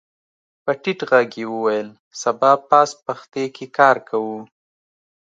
په ټيټ غږ يې وويل سبا پاس پښتې کې کار کوو.